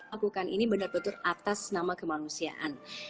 lakukan ini benar benar atas nama kemanusiaan